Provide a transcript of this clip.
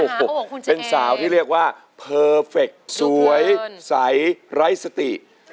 โอ้โหเป็นสาวที่เรียกว่าเพอร์เฟคสวยใสไร้สติ